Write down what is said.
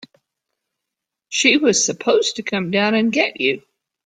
She was supposed to come down and get you.